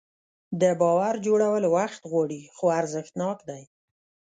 د باور جوړول وخت غواړي خو ارزښتناک دی.